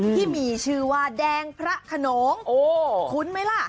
ที่มีชื่อว่าแดงพระขนงคุ้นไหมล่ะ